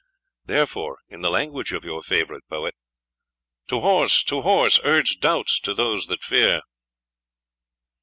Therefore, in the language of your favourite poet To horse! to horse! Urge doubts to those that fear."